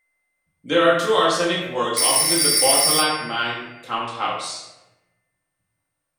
There are two arsenic works opposite the Botallack Mine count house.